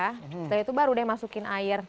setelah itu baru deh masukin air